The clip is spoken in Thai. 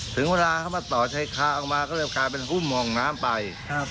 ถึงเวลาเขามาต่อชายคาออกมาก็เลยกลายเป็นหุ้มมองน้ำไป